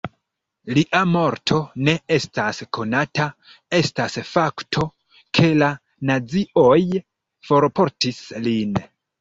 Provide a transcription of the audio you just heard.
Lia morto ne estas konata, estas fakto, ke la nazioj forportis lin.